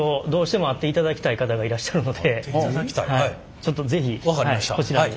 ちょっと是非こちらにどうぞ。